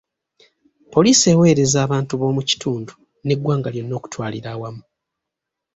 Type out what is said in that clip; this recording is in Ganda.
Poliisi eweereza abantu b'omu kitundu n'eggwanga lyonna okutwalira awamu.